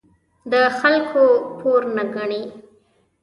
د خلکو پور نه ګڼي.